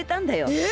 えっ！？